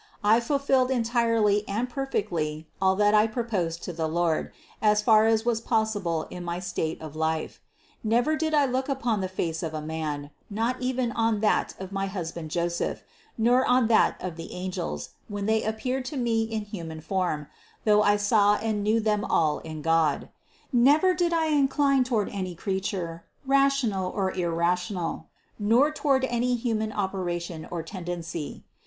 I fulfilled entirely and per fectly all that I proposed to the Lord, as far as was possi ble in my state of life ; never did I look upon the face of a man, not even on that of my husband Joseph, nor on that of the angels, when they appeared to me in human form, though I saw and knew them all in God. Never did I in cline toward any creature, rational or irrational, nor to ward any human operation or tendency.